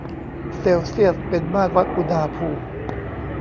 เซลเซียสเป็นมาตรวัดอุณหภูมิ